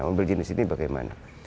mobil jenis ini bagaimana